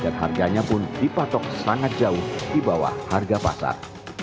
dan harganya pun dipatok sangat jauh di bawah harga pasar